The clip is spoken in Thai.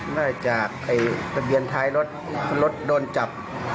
มาจากทะเบียนท้ายรถรถโดนจับ